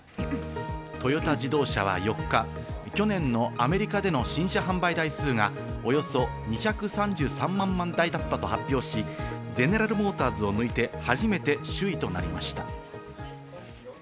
トヨタ自動車は４日、４年のアメリカでの新車販売台数がおよそ２３３万台だったと発表し、ゼネラル・モーターズを抜いて初めて首位となりました。